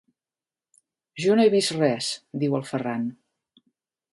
Jo no he vist res —diu el Ferran—.